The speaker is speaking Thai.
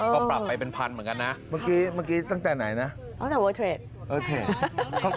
ก็ปรับไปเป็นพันเหมือนกันนะครับมาก